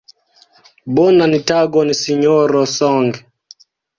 Bonan tagon Sinjoro Song.